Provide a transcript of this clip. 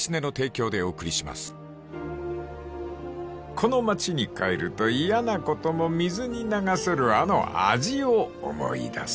［この町に帰ると嫌なことも水に流せるあの味を思い出す］